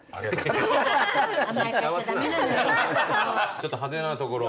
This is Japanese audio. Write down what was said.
ちょっと派手なところを。